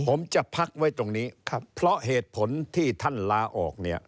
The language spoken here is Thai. ผมจะพักไว้ตรงนี้ครับเพราะเหตุผลที่ท่านลาออกเนี่ย